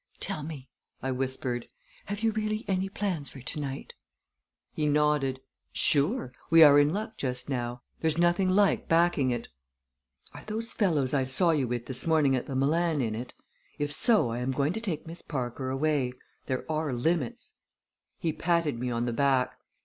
"Tell me," I whispered, "have you really any plans for to night?" He nodded. "Sure! We are in luck just now. There's nothing like backing it." "Are those fellows I saw you with this morning at the Milan in it? If so I am going to take Miss Parker away. There are limits " He patted me on the back.